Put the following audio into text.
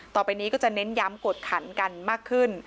ต่อไปนี้ก็จะเน้นย้ำกดขันกันมากขึ้น